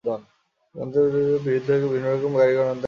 আত্মীয়বন্ধুর জনতার ভিতর দিয়ে বরকনের গাড়ি গাড়িবারান্দায় এসে থামল।